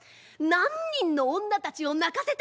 何人の女たちを泣かせたか。